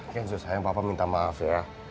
ya sudah sayang papa minta maaf ya